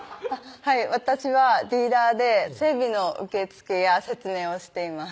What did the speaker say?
はい私はディーラーで整備の受付や説明をしています